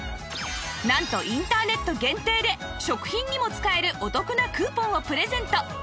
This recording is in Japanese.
なんとインターネット限定で食品にも使えるお得なクーポンをプレゼント